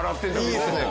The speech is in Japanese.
いいですね。